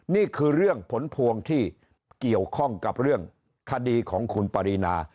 นี่คือเรื่องผลพวงที่เกี่ยวข้องกับเรื่องคดีของคุณปรินา